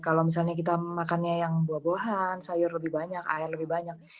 kalau misalnya kita makannya yang buah buahan sayur lebih banyak air lebih banyak